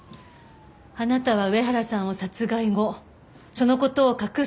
あなたは上原さんを殺害後その事を隠すために。